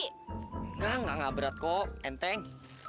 enggak enggak berat kok enteng